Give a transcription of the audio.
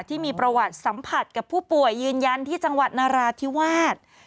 ที่มีประวัติสัมผัสกับผู้ป่วยยืนยันที่จังหวัดนราธิวาส